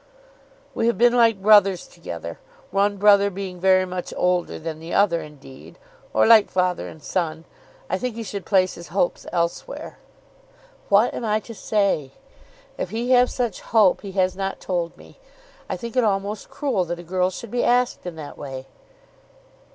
"We have been like brothers together, one brother being very much older than the other, indeed; or like father and son. I think he should place his hopes elsewhere." "What am I to say? If he have such hope he has not told me. I think it almost cruel that a girl should be asked in that way."